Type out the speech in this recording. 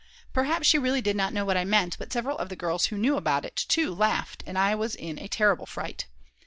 Perhaps she really did not know what I meant, but several of the girls who knew about it too laughed, and I was in a terrible fright.